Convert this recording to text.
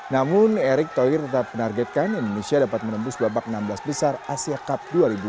namun erick thohir tetap menargetkan indonesia dapat menembus babak enam belas besar asia cup dua ribu dua puluh